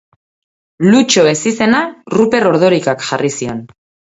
Lutxo ezizena Ruper Ordorikak jarri zion.